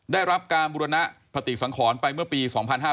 ได้รับการบุรณปฏิสังขรไปเมื่อปี๒๕๕๙